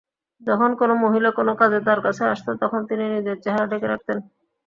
যখন কোন মহিলা কোন কাজে তার কাছে আসত তখন তিনি নিজের চেহারা ঢেকে রাখতেন।